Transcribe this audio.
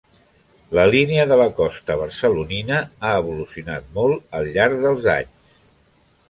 La línia de la costa barcelonina ha evolucionat molt al llarg dels anys.